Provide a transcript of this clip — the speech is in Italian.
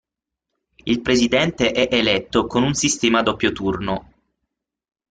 Il presidente è eletto con un sistema a doppio turno.